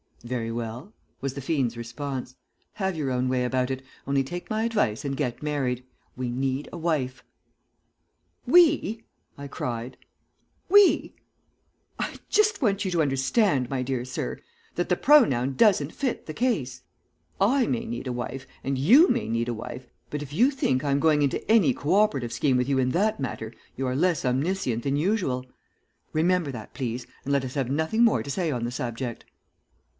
"'Very well,' was the fiend's response. 'Have your own way about it, only take my advice and get married. We need a wife.' "'We?' I cried. 'We! I just want you to understand, my dear sir, that the pronoun doesn't fit the case. I may need a wife and you may need a wife, but if you think I'm going into any co operative scheme with you in that matter you are less omniscient than usual. Remember that please and let us have nothing more to say on the subject.'"